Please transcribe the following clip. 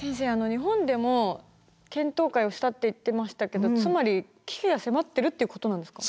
日本でも検討会をしたって言ってましたけどつまり危機が迫ってるっていうことなんですか？